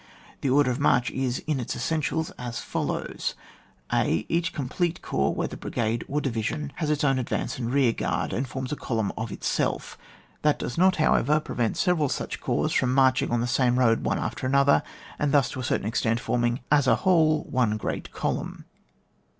The order of march is, in its essentials, as follows :— (0) Each complete corps (whether bri gade or division) has its own advance and rear guard, and forms a column of itself; that does not, however, prevent several such corps from marching on the same road one after another, and thus, to a certain extent, forming as a whole one great column.